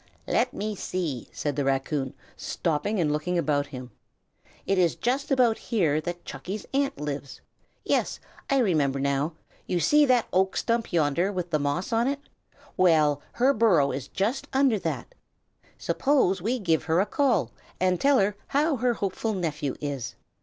"Let me see!" said the raccoon, stopping and looking about him. "It is just about here that Chucky's aunt lives. Yes, I remember, now. You see that oak stump yonder, with the moss on it? Well, her burrow is just under that. Suppose we give her a call, and tell her how her hopeful nephew is."